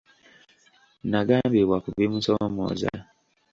Nagambibwa ku bimusoomooza.